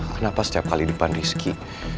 kenapa setiap kali depan rizky